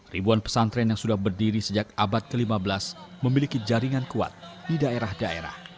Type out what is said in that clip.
ribuan pesantren yang sudah berdiri sejak abad ke lima belas memiliki jaringan kuat di daerah daerah